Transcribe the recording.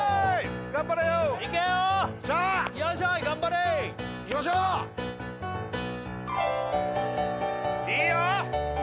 頑張れよいけよよいしょ頑張れいきましょういいよ！